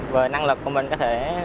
về năng lực của mình